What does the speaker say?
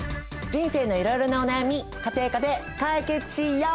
人生のいろいろなお悩み家庭科で解決しよう！